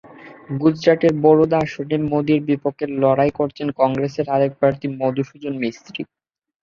গুজরাটের বরোদা আসনে মোদির বিপক্ষে লড়াই করছেন কংগ্রেসের আরেক প্রার্থী মধুসূদন মিস্ত্রি।